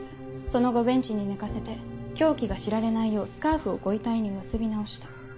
その後ベンチに寝かせて凶器が知られないようスカーフをご遺体に結び直した。